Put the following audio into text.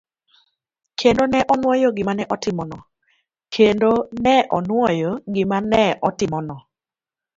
Kendo ne onuoyo gima ne otimono.